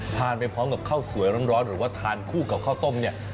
ไปพร้อมกับข้าวสวยร้อนหรือว่าทานคู่กับข้าวต้มเนี่ย